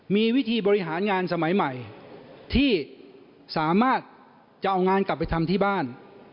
มีวิธีบริหารงานสมัยใหม่ที่สามารถจะเอางานกลับไปทำที่บ้าน